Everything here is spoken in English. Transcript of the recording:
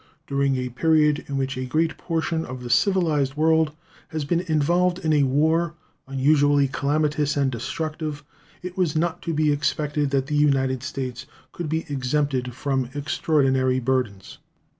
During a period in which a great portion of the civilized world has been involved in a war unusually calamitous and destructive, it was not to be expected that the United States could be exempted from extraordinary burthens.